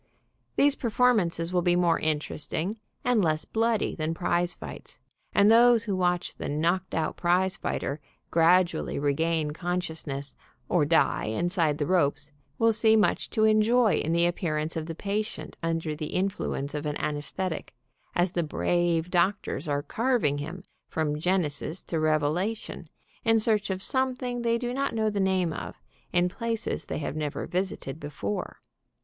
These per formances will be more interesting and less bloody than prize fights, and those who watch the knocked out prize fighter gradually regain consciousness, or die inside the ropes, will see mucfi to enjoy in the ap pearance of the patient under the influence of an an aesthetic, as the brave doctors are carving him from Genesis to Revelation, in search of something they do not know the name of, in places they have never visited before.